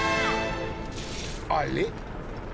あれ？